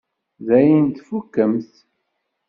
Dayen tfukkemt?